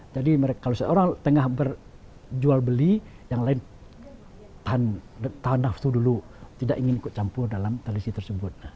jadi kalau seorang tengah berjual beli yang lain tahan nafsu dulu tidak ingin ikut campur dalam tradisi tersebut